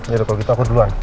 yaudah kalau gitu aku duluan